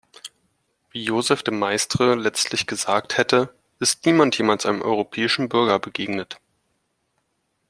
Wie Joseph de Maistre letztlich gesagt hätte, ist niemand jemals einem "europäischen Bürger" begegnet.